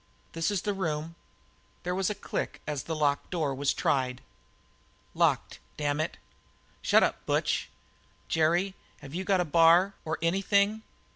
"This is the room." There was a click as the lock was tried. "Locked, damn it!" "Shut up, Butch. Jerry, have you got a bar, or anything?